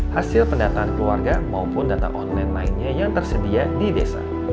hasil pendataan keluarga maupun data online lainnya yang tersedia di desa